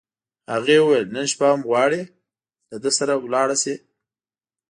هغې وویل: نن شپه هم غواړې، له ده سره ولاړه شې؟